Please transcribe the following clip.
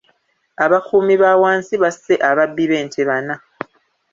Abakuumi ba wansi basse ababbi b'ente bana.